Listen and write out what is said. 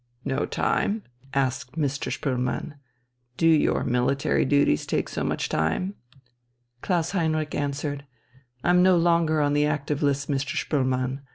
"No time?" asked Mr. Spoelmann. "Do your military duties take so much time?" Klaus Heinrich answered: "I'm no longer on the active list, Mr. Spoelmann.